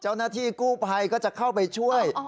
เจ้าหน้าที่กู้ภัยก็จะเข้าไปช่วย